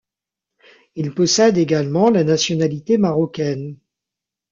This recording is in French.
Il possède également la nationalité marocaine.